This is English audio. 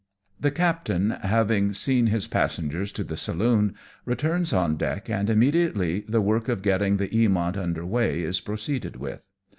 The captain having seen his passengers to the saloon, returns on deck, and immediately the work of getting the Eamont under weigh is proceeded with.